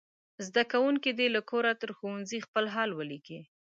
زده کوونکي دې له کوره تر ښوونځي خپل حال ولیکي.